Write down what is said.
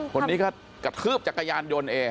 คนนี้ก็กระทืบจักรยานยนต์เอง